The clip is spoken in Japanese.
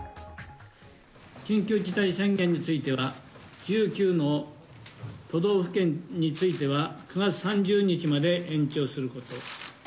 緊急事態宣言については、１９の都道府県については、９月３０日まで延長すること。